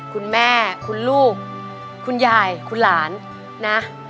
คุณแม่คุณลูกคุณยายคุณหลานนะ